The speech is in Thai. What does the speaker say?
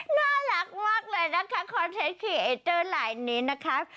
น่ารักมากเลยนะคะคอนเทคขี่เอเจอร์ลายนี้นะคะ